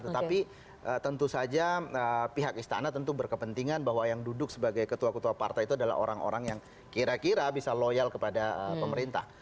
tetapi tentu saja pihak istana tentu berkepentingan bahwa yang duduk sebagai ketua ketua partai itu adalah orang orang yang kira kira bisa loyal kepada pemerintah